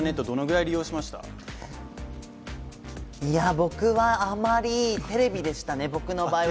僕はテレビでしたね、僕の場合は。